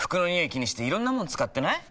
気にしていろんなもの使ってない？